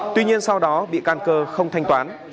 tuy nhiên sau đó bị can cơ không thanh toán